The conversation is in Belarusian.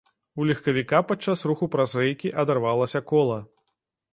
У легкавіка падчас руху праз рэйкі адарвалася кола.